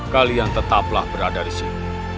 kalian tetaplah berada disini